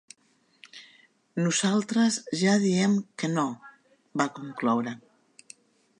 Nosaltres ja diem que no, va concloure.